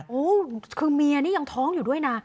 โอ้โหคือเมียนี่ยังท้องอยู่ด้วยนะ